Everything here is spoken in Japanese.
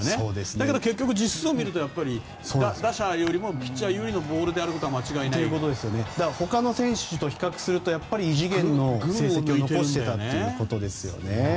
だけど実数を見ると打者よりもピッチャー有利のボールであることはほかの選手と比較するとやっぱり異次元の成績を残していたということですよね。